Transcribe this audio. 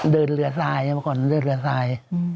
เดินเรือทรายเดินเรือทราย